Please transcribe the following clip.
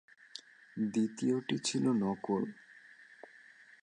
দ্বিতীয়টি ছিল নকল।